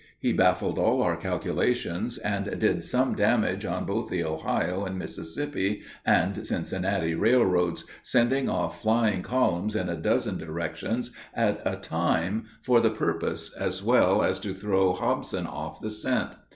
He baffled all our calculations, and did some damage on both the Ohio and Mississippi and Cincinnati railroads, sending off flying columns in a dozen directions at a time for the purpose, as well as to throw Hobson off the scent.